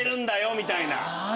みたいな。